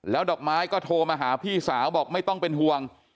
ดอกไม้ก็โทรมาหาพี่สาวบอกไม่ต้องเป็นห่วง